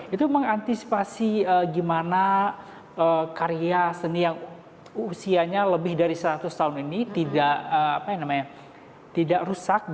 itu mengantisipasi gimana karya seni yang usianya lebih dari seratus tahun ini tidak rusak